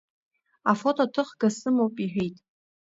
Афотоҭыхга сымоуп, — иҳәеит.